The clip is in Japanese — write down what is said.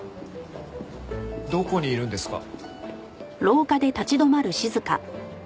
どこにいるんですか？